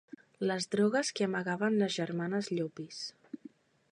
Les drogues que amagaven les germanes Llopis.